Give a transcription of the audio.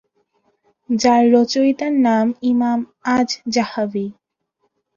যার রচয়িতার নাম ইমাম আয-যাহাবি।